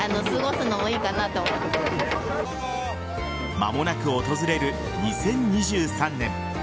間もなく訪れる２０２３年